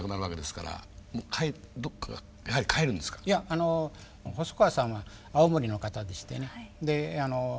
あの細川さんは青森の方でしてね。